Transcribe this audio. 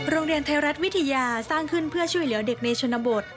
โรงเรียนไทยรัฐวิทยาสร้างขึ้นเพื่อช่วยเหลือเด็กในชนบท